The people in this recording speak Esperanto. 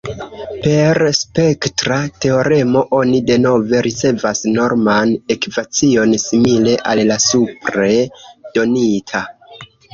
Per spektra teoremo oni denove ricevas norman ekvacion simile al la supre donita.